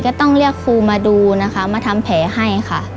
ก็ต้องเรียกครูมาดูนะคะมาทำแผลให้ค่ะ